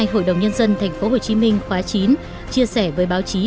hội đồng nhân dân tp hcm khóa chín chia sẻ với báo chí